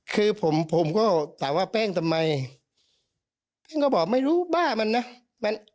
คือผมผมก็ถามว่าแป้งทำไมแป้งก็บอกไม่รู้บ้ามันนะ